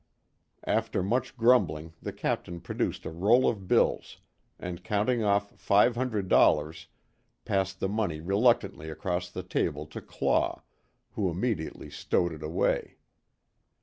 After much grumbling the Captain produced a roll of bills and counting off five hundred dollars, passed the money reluctantly across the table to Claw, who immediately stowed it away.